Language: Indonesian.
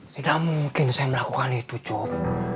tidak mungkin saya melakukan itu cukup